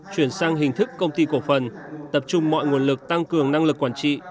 chuyển sang hình thức công ty cổ phần tập trung mọi nguồn lực tăng cường năng lực quản trị